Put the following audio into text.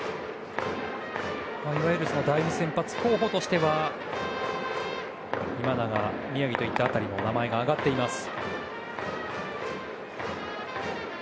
いわゆる第２先発候補としては今永、宮城といった辺りも名前が挙がっています。